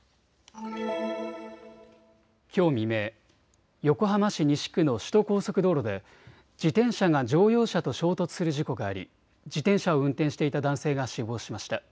きょう未明、横浜市西区の首都高速道路で自転車が乗用車と衝突する事故があり自転車を運転していた男性が死亡しました。